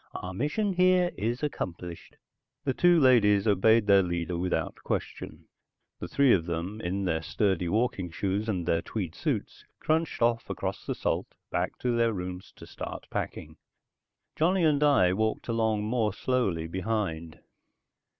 Our mission here is accomplished." The two ladies obeyed their leader without question. The three of them, in their sturdy walking shoes and their tweed suits, crunched off across the salt back to their rooms to start packing. Johnny and I walked along more slowly behind.